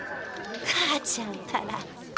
母ちゃんったら。